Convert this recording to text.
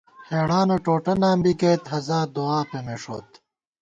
ہېڑانہ ٹوٹہ نام بی گئیت، ہزار دُعا پېمېݭوت